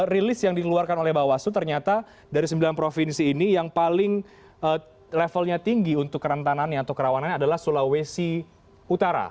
rilis yang dikeluarkan oleh bawaslu ternyata dari sembilan provinsi ini yang paling levelnya tinggi untuk kerentanannya atau kerawanannya adalah sulawesi utara